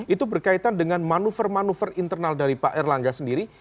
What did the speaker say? itu berkaitan dengan manuver manuver internal dari pak erlangga sendiri